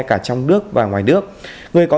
cả trong nước và ngoài nước người có